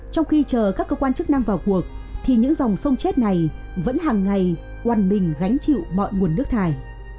trong khi chờ các cơ quan chức năng vào cuộc thì những dòng sông chét này vẫn hàng ngày quằn mình gánh chịu bọn nguồn nước thải